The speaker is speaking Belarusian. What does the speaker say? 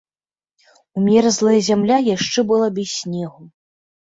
Умерзлая зямля яшчэ была без снегу.